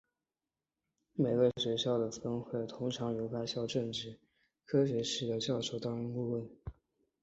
每个学校的分会通常由该校政治科学系的教授担任顾问。